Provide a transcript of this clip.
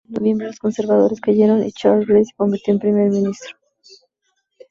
En noviembre, los conservadores cayeron y Charles Grey se convirtió en primer ministro.